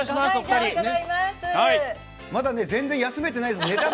まだ全然、休めてないです。